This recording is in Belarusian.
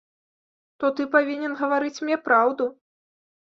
То ты павінен гаварыць мне праўду.